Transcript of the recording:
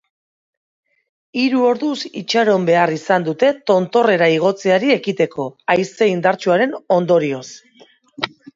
Hiru orduz itxaron behar izan dute tontorrera igotzeari ekiteko, haize indartsuaren ondorioz.